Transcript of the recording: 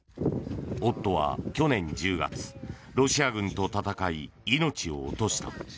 夫は去年１０月ロシア軍と戦い、命を落とした。